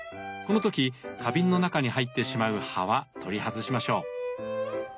この時花瓶の中に入ってしまう葉は取り外しましょう。